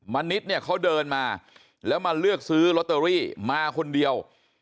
ณิชย์เนี่ยเขาเดินมาแล้วมาเลือกซื้อลอตเตอรี่มาคนเดียว